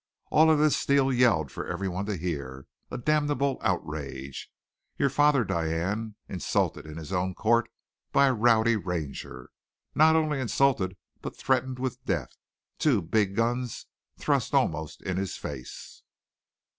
"All of this Steele yelled for everyone to hear. A damnable outrage! Your father, Diane, insulted in his own court by a rowdy Ranger! Not only insulted, but threatened with death two big guns thrust almost in his face!"